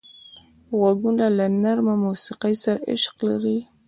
غوږونه له نرمه موسیقۍ سره عشق لري